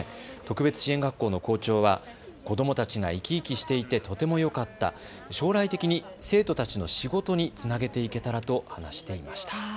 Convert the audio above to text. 特別支援学校の校長は子どもたちが生き生きしていてとてもよかった、将来的に生徒たちの仕事につなげていけたらと話していました。